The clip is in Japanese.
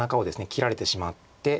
切られてしまって。